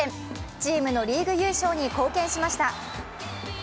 チームのリーグ優勝に貢献しました。